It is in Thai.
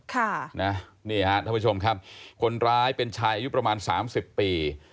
ค่ะนะนี่ฮะท่านผู้ชมครับคนร้ายเป็นชายอายุประมาณสามสิบปี